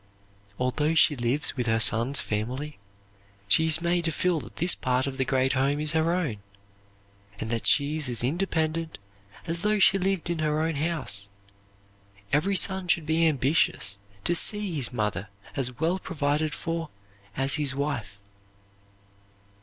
Although she lives with her son's family, she is made to feel that this part of the great home is her own, and that she is as independent as though she lived in her own house. Every son should be ambitious to see his mother as well provided for as his wife.